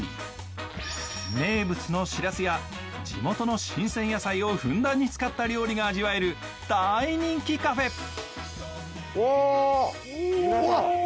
名物のしらすや地元の新鮮野菜をふんだんに使った料理が味わえる大人気カフェ。